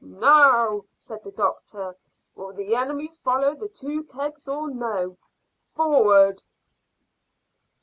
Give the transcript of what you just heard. "Now," said the doctor, "will the enemy follow the two kegs or no? Forward!"